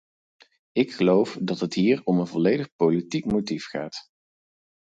Ik geloof dat het hier om een volledig politiek motief gaat.